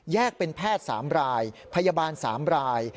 เป็นแพทย์๓รายพยาบาล๓ราย